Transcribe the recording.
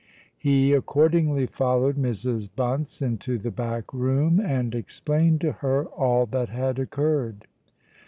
He accordingly followed Mrs. Bunce into the back room, and explained to her all that had occurred.